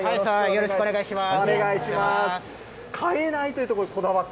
よろしくお願いします。